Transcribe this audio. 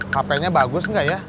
hape nya bagus enggak ya